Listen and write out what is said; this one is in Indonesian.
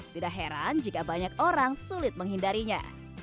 tidak heran jika banyak orang sulit menghindarinya